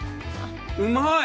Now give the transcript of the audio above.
うまい！